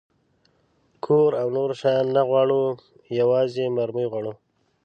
کور او نور شیان نه غواړو، یوازې مرمۍ غواړو.